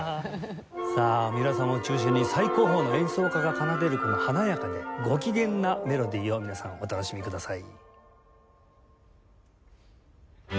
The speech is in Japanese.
さあ三浦さんを中心に最高峰の演奏家が奏でるこの華やかでご機嫌なメロディを皆さんお楽しみください。